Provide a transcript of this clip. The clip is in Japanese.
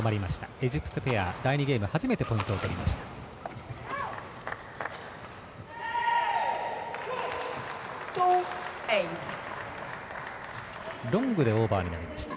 エジプトペア、第２ゲーム初めてポイントを取りました。